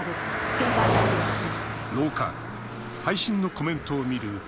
厳戒態勢を取って。